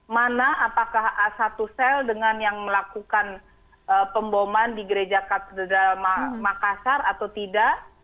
mana apakah a satu sel dengan yang melakukan pemboman di gereja katedral makassar atau tidak